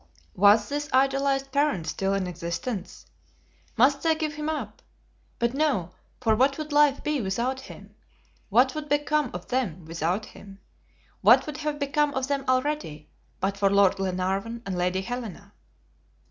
Was this idolized parent still in existence? Must they give him up? But no, for what would life be without him? What would become of them without him? What would have become of them already, but for Lord Glenarvan and Lady Helena?